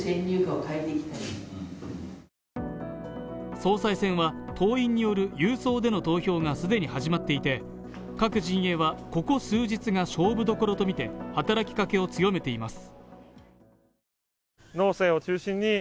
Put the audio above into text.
総裁選は、党員による郵送での投票が既に始まっていて、各陣営は、ここ数日が勝負どころとみて働きかけを強めています。